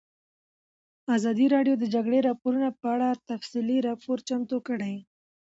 ازادي راډیو د د جګړې راپورونه په اړه تفصیلي راپور چمتو کړی.